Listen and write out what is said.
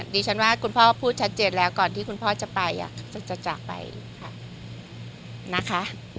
ดิฉันว่าคุณพ่อพูดชัดเจนแล้วก่อนที่คุณพ่อจะไปจะจากไปค่ะนะคะ